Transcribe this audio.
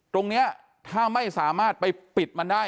ตรงนี้ถ้าไม่สามารถไปปิดมันได้